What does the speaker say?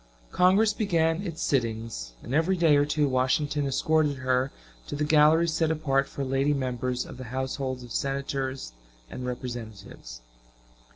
Congress began its sittings, and every day or two Washington escorted her to the galleries set apart for lady members of the households of Senators and Representatives.